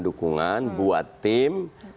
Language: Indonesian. dukungan buat tim